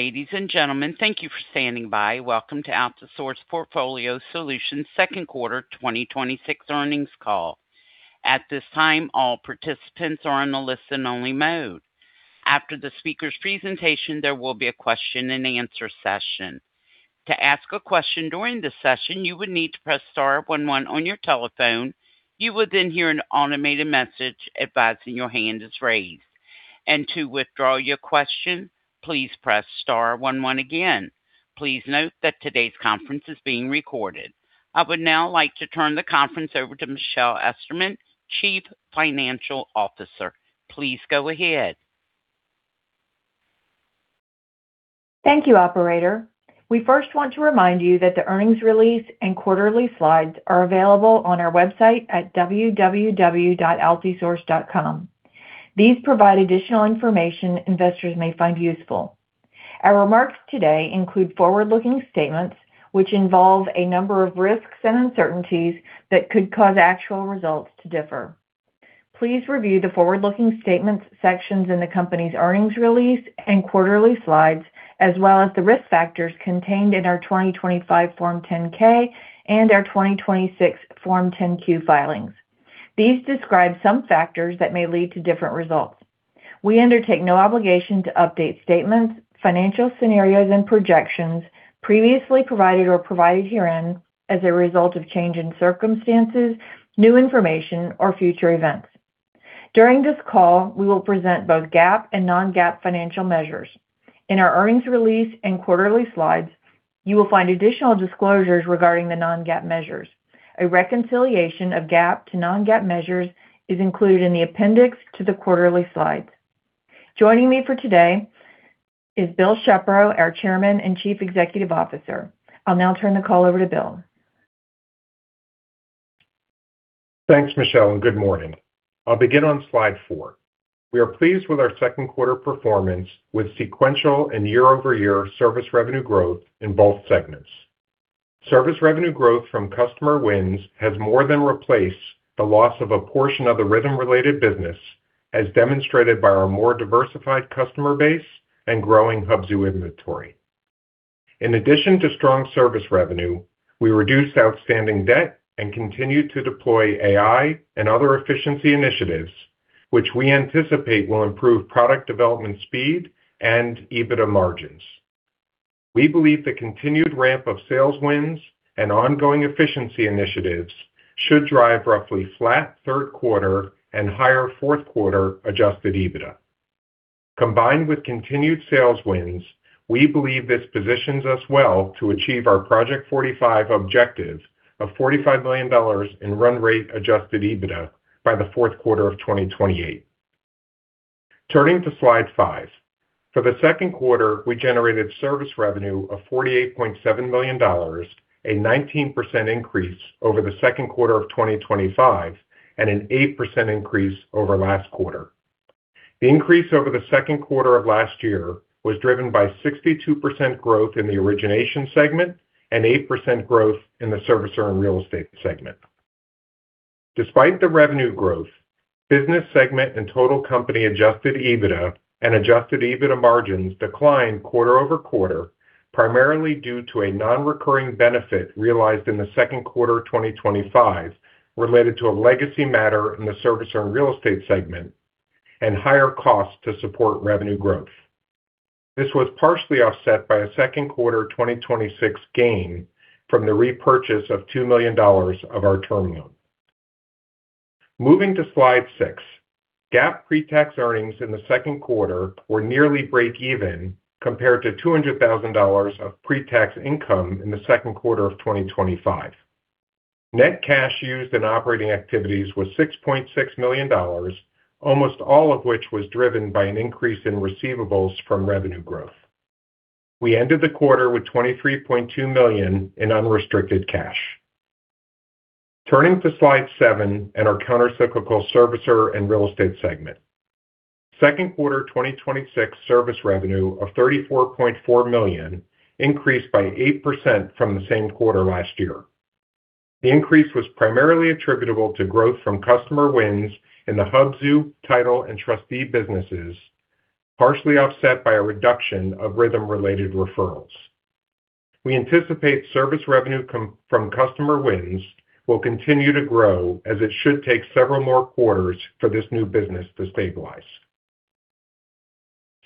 Ladies and gentlemen, thank you for standing by. Welcome to Altisource Portfolio Solutions second quarter 2026 earnings call. At this time, all participants are on the listen-only mode. After the speaker's presentation, there will be a question and answer session. To ask a question during the session, you would need to press star one one on your telephone. You will then hear an automated message advising your hand is raised. To withdraw your question, please press star one one again. Please note that today's conference is being recorded. I would now like to turn the conference over to Michelle Esterman, Chief Financial Officer. Please go ahead. Thank you, operator. We first want to remind you that the earnings release and quarterly slides are available on our website at www.altisource.com. These provide additional information investors may find useful. Our remarks today include forward-looking statements, which involve a number of risks and uncertainties that could cause actual results to differ. Please review the forward-looking statements sections in the company's earnings release and quarterly slides, as well as the risk factors contained in our 2025 Form 10-K and our 2026 Form 10-Q filings. These describe some factors that may lead to different results. We undertake no obligation to update statements, financial scenarios, and projections previously provided or provided herein as a result of change in circumstances, new information, or future events. During this call, we will present both GAAP and non-GAAP financial measures. In our earnings release and quarterly slides, you will find additional disclosures regarding the non-GAAP measures. A reconciliation of GAAP to non-GAAP measures is included in the appendix to the quarterly slides. Joining me for today is Bill Shepro, our Chairman and Chief Executive Officer. I'll now turn the call over to Bill. Thanks, Michelle. Good morning. I'll begin on slide four. We are pleased with our second quarter performance with sequential and year-over-year service revenue growth in both segments. Service revenue growth from customer wins has more than replaced the loss of a portion of the Rithm-related business, as demonstrated by our more diversified customer base and growing Hubzu inventory. In addition to strong service revenue, we reduced outstanding debt and continued to deploy AI and other efficiency initiatives, which we anticipate will improve product development speed and EBITDA margins. We believe the continued ramp of sales wins and ongoing efficiency initiatives should drive roughly flat third quarter and higher fourth quarter Adjusted EBITDA. Combined with continued sales wins, we believe this positions us well to achieve our Project 45 objective of $45 million in run rate Adjusted EBITDA by the fourth quarter of 2028. Turning to slide five. For the second quarter, we generated service revenue of $48.7 million, a 19% increase over the second quarter of 2025 and an 8% increase over last quarter. The increase over the second quarter of last year was driven by 62% growth in the origination segment and 8% growth in the servicer and real estate segment. Despite the revenue growth, business segment and total company Adjusted EBITDA and Adjusted EBITDA margins declined quarter-over-quarter, primarily due to a non-recurring benefit realized in the second quarter of 2025 related to a legacy matter in the servicer and real estate segment and higher costs to support revenue growth. This was partially offset by a second quarter 2026 gain from the repurchase of $2 million of our term loan. Moving to slide six. GAAP pre-tax earnings in the second quarter were nearly breakeven compared to $200,000 of pre-tax income in the second quarter of 2025. Net cash used in operating activities was $6.6 million, almost all of which was driven by an increase in receivables from revenue growth. We ended the quarter with $23.2 million in unrestricted cash. Turning to slide seven and our countercyclical servicer and real estate segment. Second quarter 2026 service revenue of $34.4 million increased by 8% from the same quarter last year. The increase was primarily attributable to growth from customer wins in the Hubzu title and trustee businesses, partially offset by a reduction of Rithm-related referrals. We anticipate service revenue from customer wins will continue to grow as it should take several more quarters for this new business to stabilize.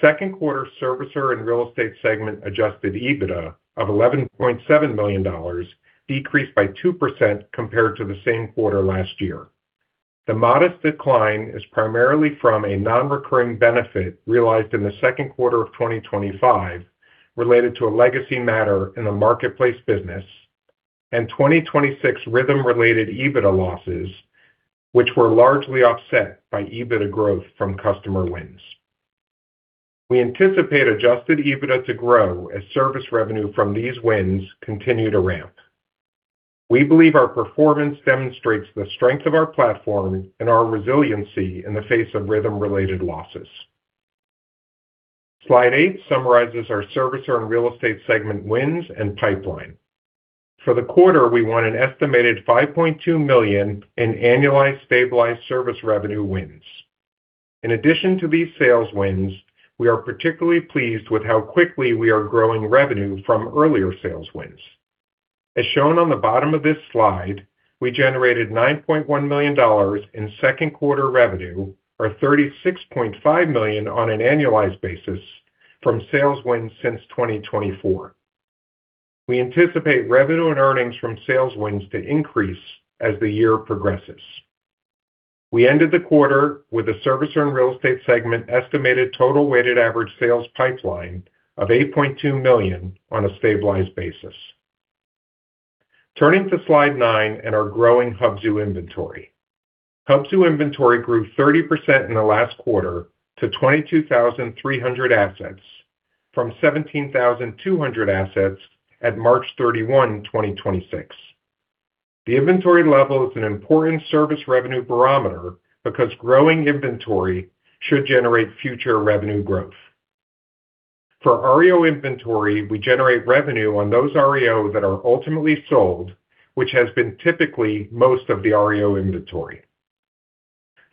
Second quarter servicer and real estate segment Adjusted EBITDA of $11.7 million decreased by 2% compared to the same quarter last year. The modest decline is primarily from a non-recurring benefit realized in the second quarter of 2025 related to a legacy matter in the marketplace business and 2026 Rithm-related EBITDA losses, which were largely offset by EBITDA growth from customer wins. We anticipate Adjusted EBITDA to grow as service revenue from these wins continue to ramp. We believe our performance demonstrates the strength of our platform and our resiliency in the face of Rithm-related losses. Slide eight summarizes our servicer and real estate segment wins and pipeline. For the quarter, we won an estimated $5.2 million in annualized stabilized service revenue wins. In addition to these sales wins, we are particularly pleased with how quickly we are growing revenue from earlier sales wins. As shown on the bottom of this slide, we generated $9.1 million in second quarter revenue, or $36.5 million on an annualized basis from sales wins since 2024. We anticipate revenue and earnings from sales wins to increase as the year progresses. We ended the quarter with a servicer and real estate segment estimated total weighted average sales pipeline of $8.2 million on a stabilized basis. Turning to slide nine and our growing Hubzu inventory. Hubzu inventory grew 30% in the last quarter to 22,300 assets from 17,200 assets at March 31, 2026. The inventory level is an important service revenue barometer because growing inventory should generate future revenue growth. For REO inventory, we generate revenue on those REO that are ultimately sold, which has been typically most of the REO inventory.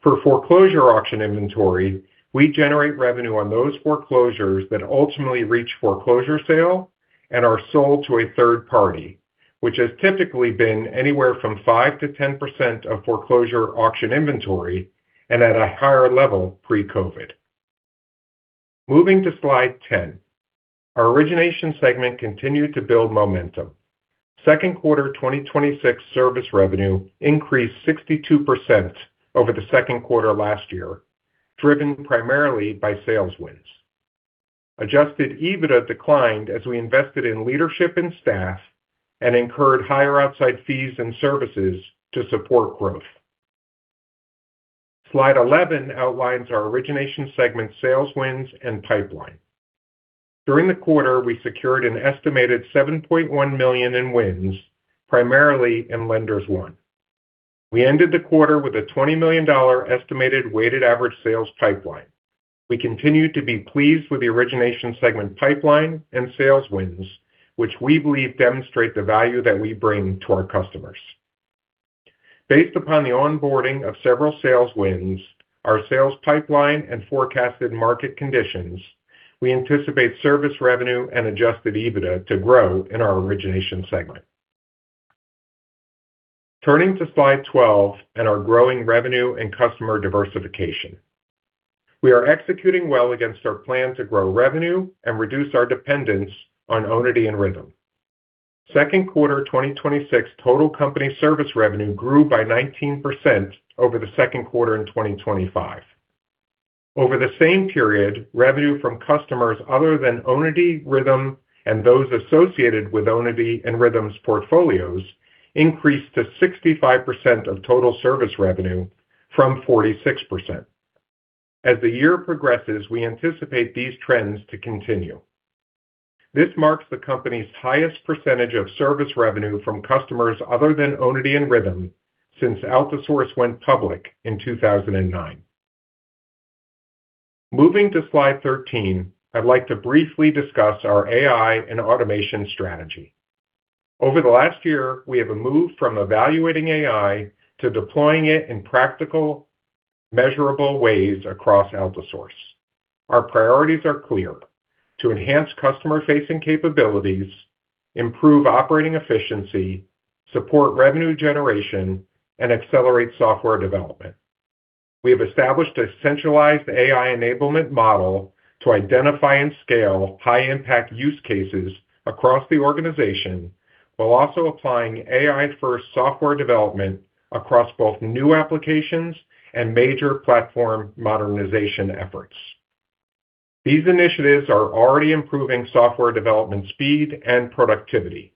For foreclosure auction inventory, we generate revenue on those foreclosures that ultimately reach foreclosure sale and are sold to a third party, which has typically been anywhere from 5%-10% of foreclosure auction inventory and at a higher level pre-COVID. Moving to slide 10. Our origination segment continued to build momentum. Second quarter 2026 service revenue increased 62% over the second quarter last year, driven primarily by sales wins. Adjusted EBITDA declined as we invested in leadership and staff and incurred higher outside fees and services to support growth. Slide 11 outlines our origination segment sales wins and pipeline. During the quarter, we secured an estimated $7.1 million in wins, primarily in Lenders One. We ended the quarter with a $20 million estimated weighted average sales pipeline. We continue to be pleased with the origination segment pipeline and sales wins, which we believe demonstrate the value that we bring to our customers. Based upon the onboarding of several sales wins, our sales pipeline and forecasted market conditions, we anticipate service revenue and Adjusted EBITDA to grow in our origination segment. Turning to slide 12 and our growing revenue and customer diversification. We are executing well against our plan to grow revenue and reduce our dependence on Onity and Rithm. Second quarter 2026 total company service revenue grew by 19% over the second quarter in 2025. Over the same period, revenue from customers other than Onity, Rithm, and those associated with Onity and Rithm's portfolios increased to 65% of total service revenue from 46%. As the year progresses, we anticipate these trends to continue. This marks the company's highest percentage of service revenue from customers other than Onity and Rithm since Altisource went public in 2009. Moving to slide 13, I'd like to briefly discuss our AI and automation strategy. Over the last year, we have moved from evaluating AI to deploying it in practical, measurable ways across Altisource. Our priorities are clear: to enhance customer-facing capabilities, improve operating efficiency, support revenue generation, and accelerate software development. We have established a centralized AI enablement model to identify and scale high-impact use cases across the organization while also applying AI-first software development across both new applications and major platform modernization efforts. These initiatives are already improving software development speed and productivity.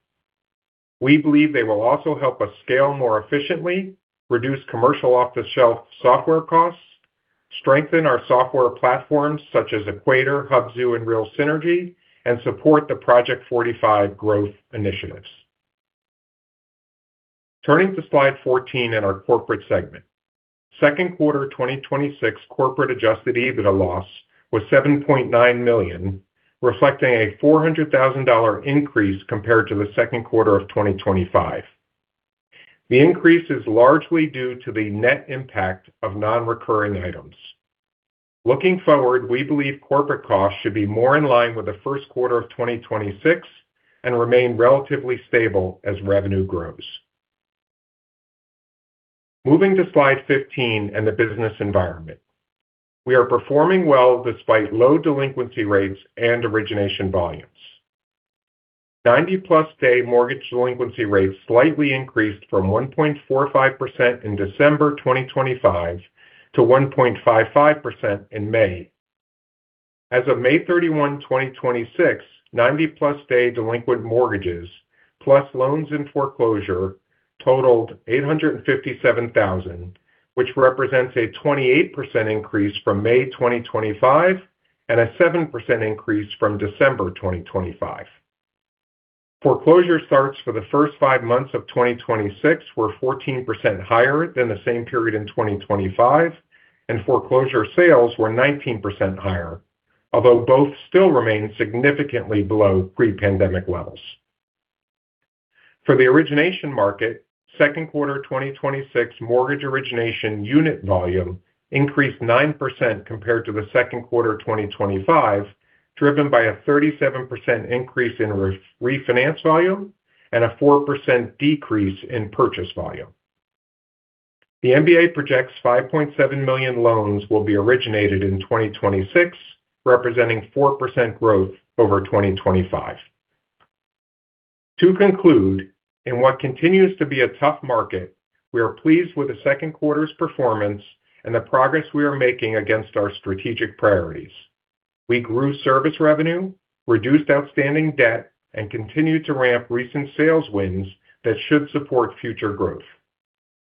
We believe they will also help us scale more efficiently, reduce commercial off-the-shelf software costs, strengthen our software platforms such as Equator, Hubzu, and REALSynergy, and support the Project 45 growth initiatives. Turning to slide 14 and our corporate segment. Second quarter 2026 corporate Adjusted EBITDA loss was $7.9 million, reflecting a $400,000 increase compared to the second quarter of 2025. The increase is largely due to the net impact of non-recurring items. Looking forward, we believe corporate costs should be more in line with the first quarter of 2026 and remain relatively stable as revenue grows. Moving to slide 15 and the business environment. We are performing well despite low delinquency rates and origination volumes. 90+ day mortgage delinquency rates slightly increased from 1.45% in December 2025 to 1.55% in May. As of May 31, 2026, 90-plus day delinquent mortgages plus loans in foreclosure totaled 857,000, which represents a 28% increase from May 2025 and a 7% increase from December 2025. Foreclosure starts for the first five months of 2026 were 14% higher than the same period in 2025, and foreclosure sales were 19% higher. Both still remain significantly below pre-pandemic levels. For the origination market, second quarter 2026 mortgage origination unit volume increased 9% compared to the second quarter of 2025, driven by a 37% increase in refinance volume and a 4% decrease in purchase volume. The MBA projects 5.7 million loans will be originated in 2026, representing 4% growth over 2025. To conclude, in what continues to be a tough market, we are pleased with the second quarter's performance and the progress we are making against our strategic priorities. We grew service revenue, reduced outstanding debt, and continued to ramp recent sales wins that should support future growth.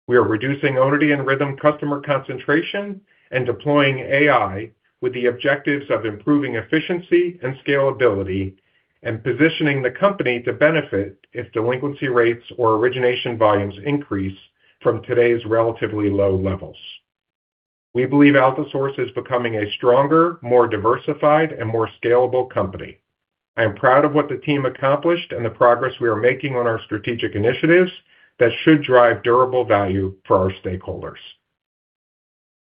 We are reducing Onity and Rithm customer concentration and deploying AI with the objectives of improving efficiency and scalability and positioning the company to benefit if delinquency rates or origination volumes increase from today's relatively low levels. We believe Altisource is becoming a stronger, more diversified, and more scalable company. I am proud of what the team accomplished and the progress we are making on our strategic initiatives that should drive durable value for our stakeholders.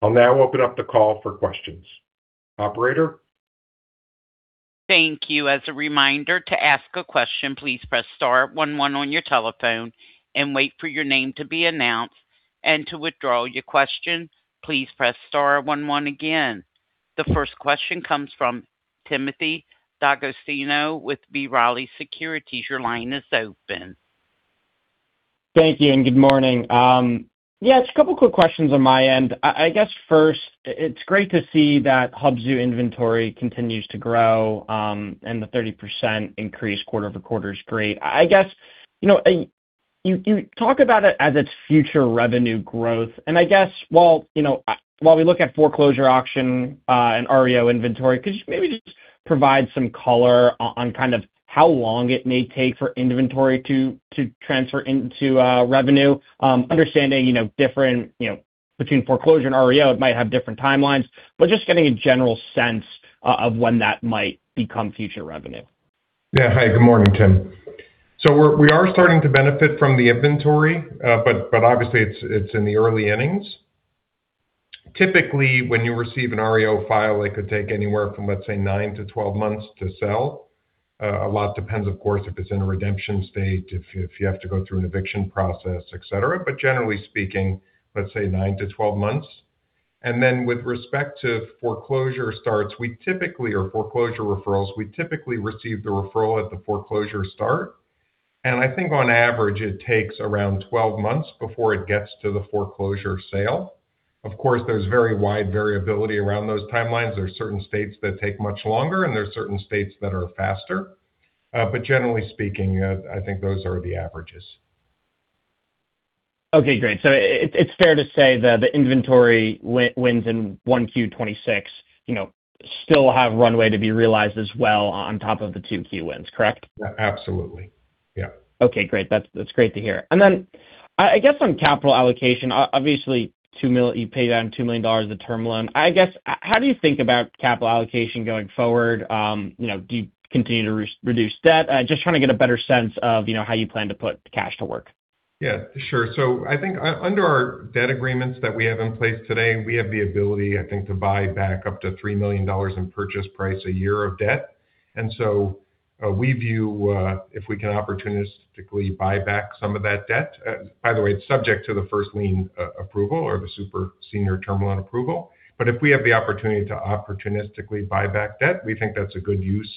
I'll now open up the call for questions. Operator? Thank you. As a reminder, to ask a question, please press star one one on your telephone and wait for your name to be announced. To withdraw your question, please press star one one again. The first question comes from Timothy D'Agostino with B. Riley Securities. Your line is open. Thank you, and good morning. Yeah, just a couple of quick questions on my end. I guess first, it's great to see that Hubzu inventory continues to grow, and the 30% increase quarter-over-quarter is great. I guess, you talk about it as its future revenue growth, and I guess, while we look at foreclosure auction and REO inventory, could you maybe just provide some color on how long it may take for inventory to transfer into revenue? Understanding between foreclosure and REO, it might have different timelines, but just getting a general sense of when that might become future revenue. Yeah. Hi, good morning, Tim. We are starting to benefit from the inventory, but obviously, it's in the early innings. Typically, when you receive an REO file, it could take anywhere from, let's say, nine to 12 months to sell. A lot depends, of course, if it's in a redemption state, if you have to go through an eviction process, et cetera. Generally speaking, let's say nine to 12 months. With respect to foreclosure starts or foreclosure referrals, we typically receive the referral at the foreclosure start. I think on average, it takes around 12 months before it gets to the foreclosure sale. Of course, there's very wide variability around those timelines. There are certain states that take much longer, and there are certain states that are faster. Generally speaking, I think those are the averages. Okay, great. It's fair to say the inventory wins in 1Q 2026 still have runway to be realized as well on top of the 2 key wins, correct? Absolutely. Yeah. Okay, great. That's great to hear. I guess on capital allocation, obviously, you paid down $2 million of the term loan. I guess, how do you think about capital allocation going forward? Do you continue to reduce debt? Just trying to get a better sense of how you plan to put cash to work. Yeah, sure. I think under our debt agreements that we have in place today, we have the ability, I think, to buy back up to $3 million in purchase price a year of debt. We view if we can opportunistically buy back some of that debt. By the way, it's subject to the first lien approval or the super senior term loan approval. If we have the opportunity to opportunistically buy back debt, we think that's a good use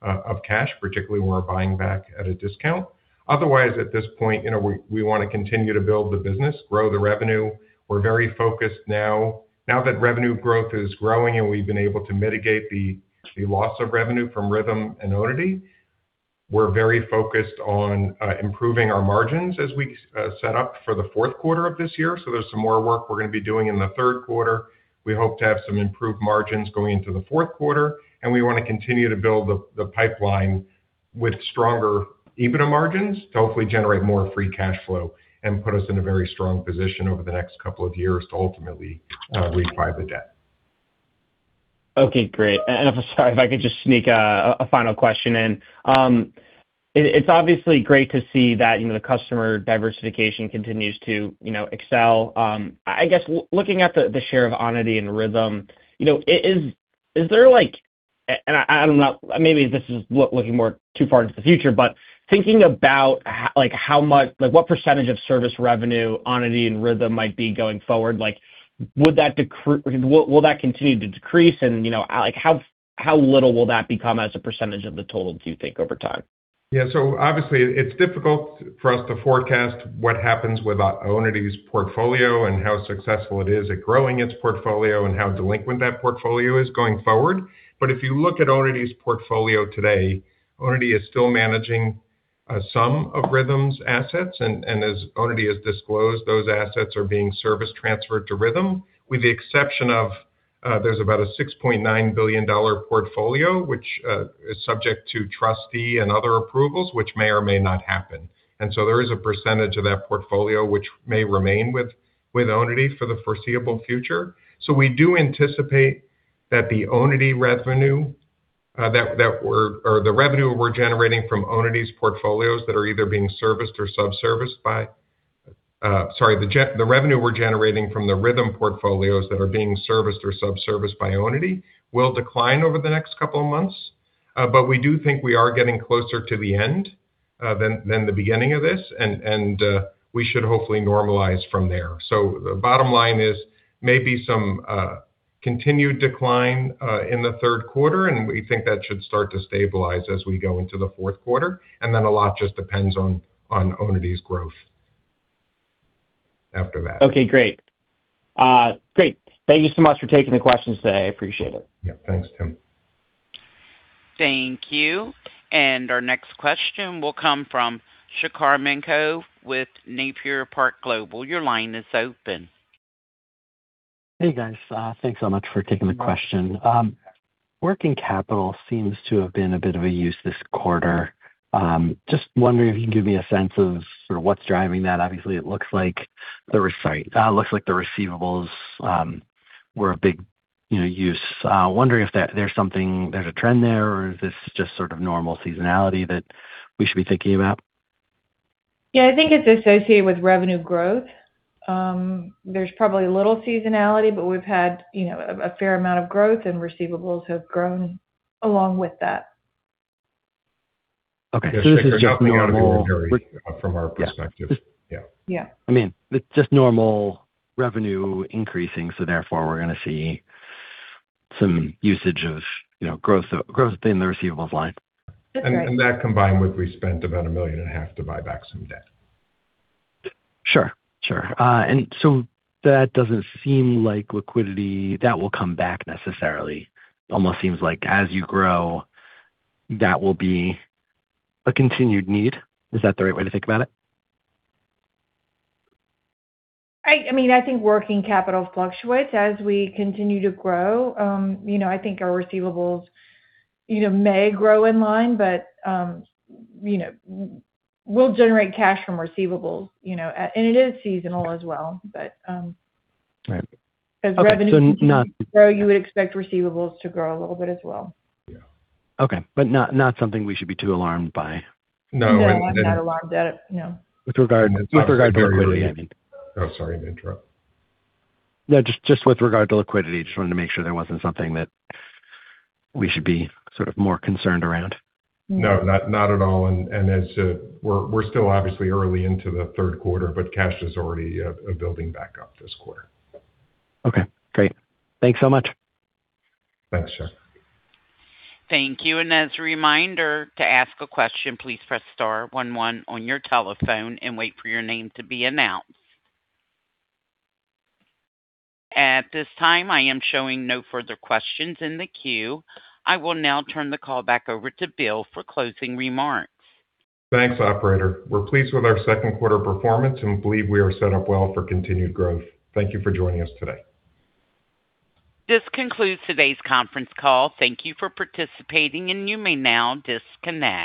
of cash, particularly when we're buying back at a discount. Otherwise, at this point, we want to continue to build the business, grow the revenue. We're very focused now. Now that revenue growth is growing, and we've been able to mitigate the loss of revenue from Rithm and Onity. We're very focused on improving our margins as we set up for the fourth quarter of this year. There's some more work we're going to be doing in the third quarter. We hope to have some improved margins going into the fourth quarter, and we want to continue to build the pipeline with stronger EBITDA margins to hopefully generate more free cash flow and put us in a very strong position over the next couple of years to ultimately refi the debt. Okay, great. If I'm sorry, if I could just sneak a final question in. It's obviously great to see that the customer diversification continues to excel. I guess, looking at the share of Onity and Rithm, maybe this is looking more too far into the future, but thinking about what percentage of service revenue Onity and Rithm might be going forward, will that continue to decrease? How little will that become as a percentage of the total, do you think, over time? Yeah. Obviously, it's difficult for us to forecast what happens with Onity's portfolio and how successful it is at growing its portfolio and how delinquent that portfolio is going forward. If you look at Onity's portfolio today, Onity is still managing some of Rithm's assets. As Onity has disclosed, those assets are being service transferred to Rithm, with the exception of there's about a $6.9 billion portfolio, which is subject to trustee and other approvals, which may or may not happen. There is a percentage of that portfolio which may remain with Onity for the foreseeable future. We do anticipate that the revenue we're generating from the Rithm portfolios that are being serviced or sub-serviced by Onity will decline over the next couple of months. We do think we are getting closer to the end than the beginning of this, and we should hopefully normalize from there. The bottom line is maybe some continued decline in the third quarter, and we think that should start to stabilize as we go into the fourth quarter. Then a lot just depends on Onity's growth after that. Great. Thank you so much for taking the questions today. I appreciate it. Thanks, Tim. Thank you. Our next question will come from Shachar Minkove with Napier Park Global. Your line is open. Hey, guys. Thanks so much for taking the question. Working capital seems to have been a bit of a use this quarter. Just wondering if you can give me a sense of sort of what's driving that. Obviously, it looks like the receivables were a big use. Wondering if there's a trend there, or is this just sort of normal seasonality that we should be thinking about? Yeah, I think it's associated with revenue growth. There's probably a little seasonality, but we've had a fair amount of growth and receivables have grown along with that. Okay. it's just. Nothing out of the ordinary from our perspective. Yeah. Yeah. It's just normal revenue increasing, therefore we're going to see some usage of growth in the receivables line. That's right. That combined with we spent about a million and a half to buy back some debt. Sure. That doesn't seem like liquidity that will come back necessarily. Almost seems like as you grow, that will be a continued need. Is that the right way to think about it? I think working capital fluctuates as we continue to grow. I think our receivables may grow in line, but we'll generate cash from receivables. It is seasonal as well. Right as revenue continues to grow, you would expect receivables to grow a little bit as well. Yeah. Okay. Not something we should be too alarmed by. No. No, I'm not alarmed at it. With regard to liquidity, I mean. Sorry to interrupt. No, just with regard to liquidity, just wanted to make sure there wasn't something that we should be sort of more concerned around. No, not at all. We're still obviously early into the third quarter, but cash is already building back up this quarter. Okay, great. Thanks so much. Thanks, Shachar. Thank you. As a reminder, to ask a question, please press star one one on your telephone and wait for your name to be announced. At this time, I am showing no further questions in the queue. I will now turn the call back over to Bill for closing remarks. Thanks, operator. We are pleased with our second quarter performance and believe we are set up well for continued growth. Thank you for joining us today. This concludes today's conference call. Thank you for participating, and you may now disconnect.